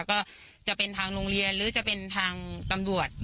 ก็จะเป็นทางโรงเรียนหรือจะเป็นทางตำรวจ